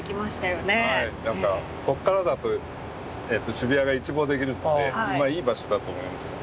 はいなんかこっからだと渋谷が一望できるのでまあいい場所だと思いますね。